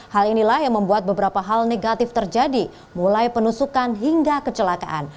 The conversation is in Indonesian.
hal inilah yang membuat beberapa hal negatif terjadi mulai penusukan hingga kecelakaan